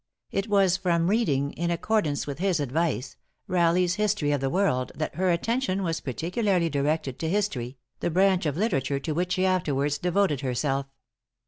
It was from reading, in accordance with his advice, Raleigh's "History of the World," that her attention was particularly directed, to history, the branch of literature to which she afterwards devoted herself.